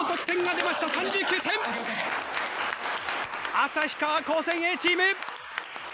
旭川高専Ａチーム！